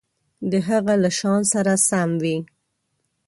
د هغه له شأن سره سم وي.